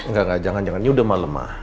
enggak enggak jangan jangan ini udah malem ma